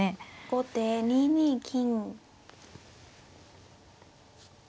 後手２二金。